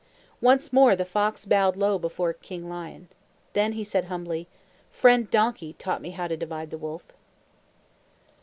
Once more the fox bowed low before King Lion. Then he said humbly, "Friend Donkey taught me how to divide the wolf!"